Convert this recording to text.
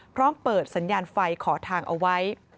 พร้อมเปิดสัญญาณไฟขอทางเอาไว้